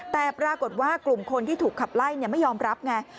แต่ปรากฏว่ากลุ่มคนที่ถูกขับไล่ไม่ยอมรับไง